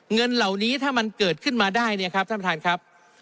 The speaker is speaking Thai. เงินเหล่านี้ถ้ามันเกิดขึ้นมาได้เนี่ยครับท่านประธานครับ